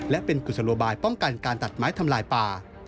และเป็นกุศโลบายป้องกันการตัดไม้ทำลายป่า